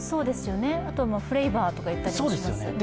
あとはフレーバーとかって言ったりもします。